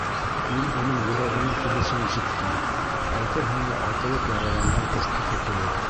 Мин уның йөрәгенең тибешен ишеттем, әйтерһең дә атылып яраланған ҡоштоҡо кеүек.